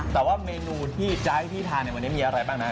แต่ว่าเมนูที่จะให้พี่ทานในวันนี้มีอะไรบ้างนะ